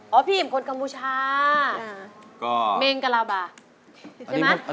อ๋อของพี่อิ่มคนกำหมูชา